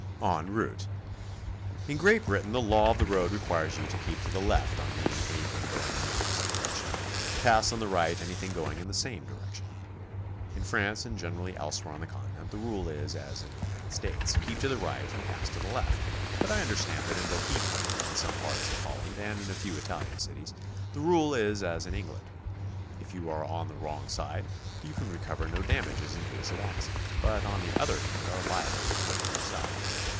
EN ROUTE. In Great Britain the law of the road requires you to keep to the left on meeting anything going in the opposite direction, to pass on the right anything going in the same direction. In France and generally elsewhere on the Conti nent the rule is as in the United States, keep to the right and pass to the left, but I understand that in Bohemia, in some parts of Holland, and in a few Italian cities, the rule is as in England. If you are on the wrong side, you can recover no damages in case of accident, but on the other hand are liable to pay them yourself.